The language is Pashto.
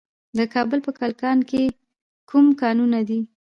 د کابل په کلکان کې کوم کانونه دي؟